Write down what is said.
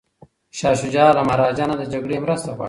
شاه شجاع له مهاراجا نه د جګړې مرسته غواړي.